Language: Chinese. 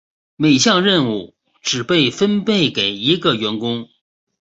每项任务只被分配给一个员工。